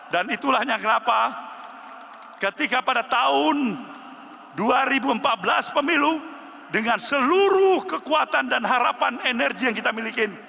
dan itulah yang kenapa ketika pada tahun dua ribu empat belas pemilu dengan seluruh kekuatan dan harapan energi yang kita miliki